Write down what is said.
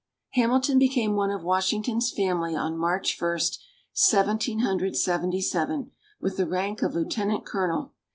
Hamilton became one of Washington's family on March First, Seventeen Hundred Seventy seven, with the rank of lieutenant colonel.